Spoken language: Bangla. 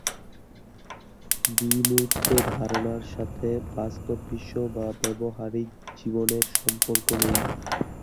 বিমূর্ত ধারণার সাথে বাস্তব বিশ্ব বা ব্যবহারিক জীবনের সম্পর্ক নেই।